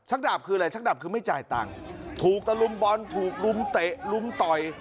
ดาบคืออะไรชักดาบคือไม่จ่ายตังค์ถูกตะลุมบอลถูกรุมเตะลุมต่อย